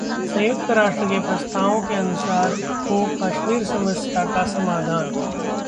'संयुक्त राष्ट्र के प्रस्तावों के अनुसार हो कश्मीर समस्या का समाधान'